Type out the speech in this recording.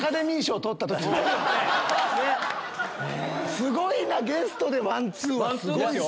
すごいなゲストでワンツーは。